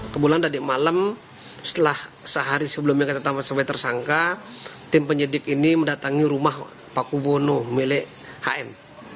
kebulan dari malam setelah sehari sebelumnya kita sampai tersangka tim penyidik ini mendatangi rumah paku bono milik hm